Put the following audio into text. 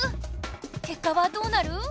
結果はどうなる？